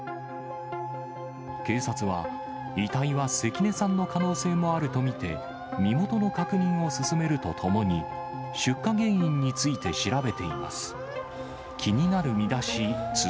警察は、遺体は関根さんの可能性もあると見て、身元の確認を進めるとともに、出火原因について調べています。